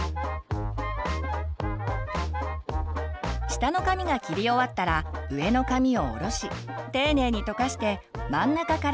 下の髪が切り終わったら上の髪を下ろし丁寧にとかして真ん中から切ります。